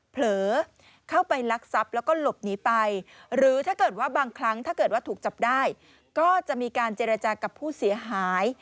เผลอเข้าไปลักทรัพย์แล้วก็หลบหนีไปหรือถ้าเกิดว่าบางครั้งถ้าเกิดว่าถูกจับได้ก็จะมีการเจรจากับผู้เสียหาย